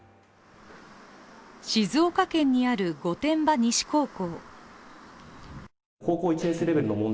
静岡県にある御殿場西高校。